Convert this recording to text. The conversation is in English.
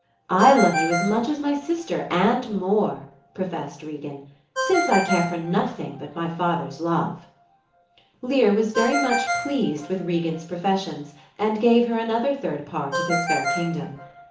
"I love you as much as my sister and more," professed Regan, "since I care for nothing but my father's love." Lear was very much pleased with Regan's professions, and gave her another third part of his fair kingdom.